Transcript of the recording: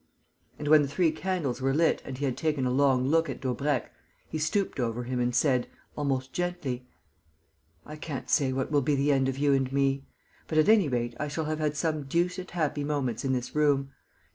And, when the three candles were lit and he had taken a long look at Daubrecq, he stooped over him and said, almost gently: "I can't say what will be the end of you and me. But at any rate I shall have had some deuced happy moments in this room.